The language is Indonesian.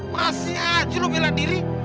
masih aja lo bela diri